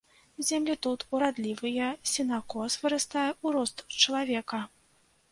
Землі тут урадлівыя, сенакос вырастае ў рост чалавека.